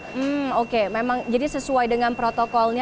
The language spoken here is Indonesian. hmm oke memang jadi sesuai dengan protokolnya